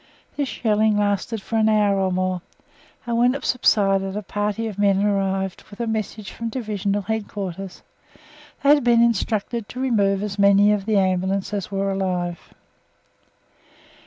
This shelling lasted for an hour or more, and when it subsided a party of men arrived with a message from Divisional Headquarters. They had been instructed to remove as many of the Ambulance as were alive.